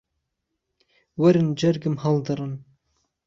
وەرن جەرگم هەڵدڕن